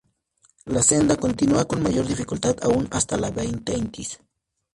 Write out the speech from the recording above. La senda continúa con mayor dificultad aún hasta la bahía Thetis.